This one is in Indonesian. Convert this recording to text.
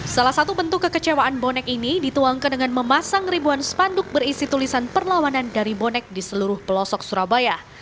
salah satu bentuk kekecewaan bonek ini dituangkan dengan memasang ribuan spanduk berisi tulisan perlawanan dari bonek di seluruh pelosok surabaya